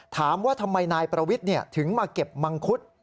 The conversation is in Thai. ถามว่าทำไมนายประวิทย์ถึงมาเก็บมังคุด